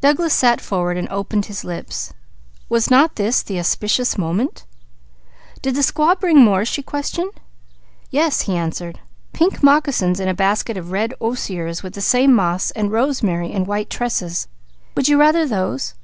Douglas sat forward and opened his lips. Was not this the auspicious moment? "Did the squaw bring more?" she questioned. "Yes," he answered. "Pink moccasins in a basket of red osiers, with the same moss, rosemary and white tresses. Would you rather those?"